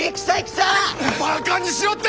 バカにしおって！